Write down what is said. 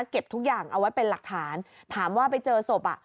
เก็บทุกอย่างเอาไว้เป็นหลักฐานถามว่าไปเจอศพอ่ะ